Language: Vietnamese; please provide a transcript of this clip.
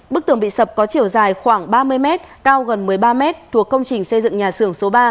bức tường bị sập có chiều dài khoảng ba mươi mét cao gần một mươi ba m thuộc công trình xây dựng nhà xưởng số ba